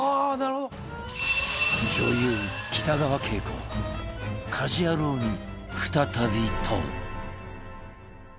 女優北川景子が家事ヤロウに再び問う